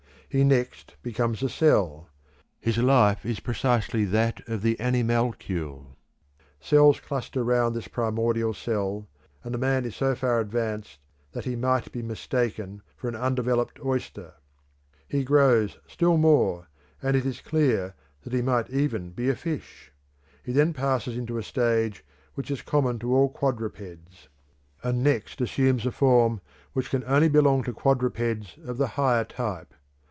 He next becomes a cell; his life is precisely that of the animalcule. Cells cluster round this primordial cell, and the man is so far advanced that he might be mistaken for an undeveloped oyster; he grows still more, and it is clear that he might even be a fish; he then passes into a stage which is common to all quadrupeds, and next assumes a form which can only belong to quadrupeds of the higher type.